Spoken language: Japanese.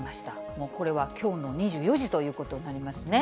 もうこれはきょうの２４時ということになりますね。